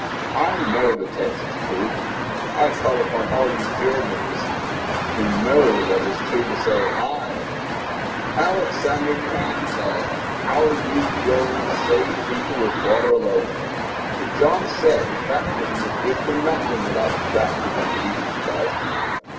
I know the text is true. I call upon all you Germans who know that it is true to say, Aye. (Loud shouts of "Aye.") Alexander Campbell, how are you going to save people with water alone? For John said his baptism was good for nothing without the baptism of Jesus Christ.